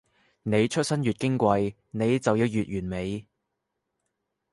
你出身越矜貴，你就要越完美